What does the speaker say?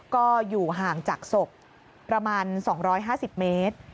ก็อยู่ห่างจากศพประมาณ๒๕๐เมตร